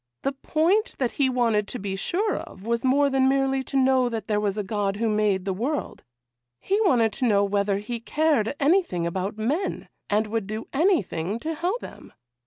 The point that he wanted to be sure of was more than merely to know that there was a God who made the world; he wanted to know whether He cared anything about men, and would do anything to help them.